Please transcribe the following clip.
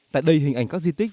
tại đây hình ảnh các di tích